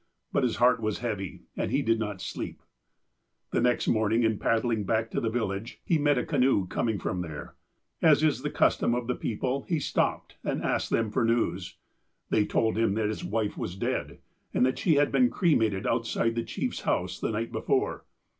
But his heart was heavy, and he did not sleep. " The next morning, in paddling back to the village, he met a canoe coming from there. As is the custom of the people, he stopj)ed, and asked them for news. They told him that his wife was dead, and that she had been cre mated outside the chief's house the night before.